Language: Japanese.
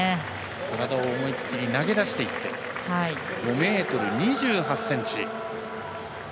体を思いっきり投げ出していって５ｍ２８ｃｍ。